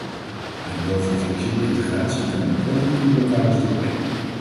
Met behulp van flexibele integratie kan men kortdurende blokkades doorbreken.